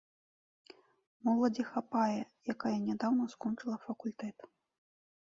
Моладзі хапае, якая нядаўна скончыла факультэт.